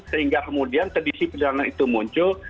sehingga kemudian kondisi penerbangan itu muncul